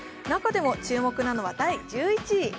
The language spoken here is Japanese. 中でも注目なのは第１１位。